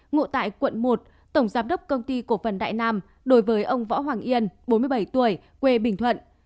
ngụ tại quận một tổng giám đốc công ty cổ phần đại nam đối với ông võ hoàng yên bốn mươi bảy tuổi quê bình thuận